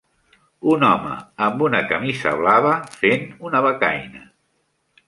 un home amb una camisa blava fent una becaina